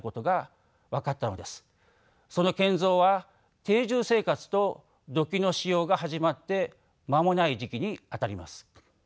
その建造は定住生活と土器の使用が始まって間もない時期にあたります。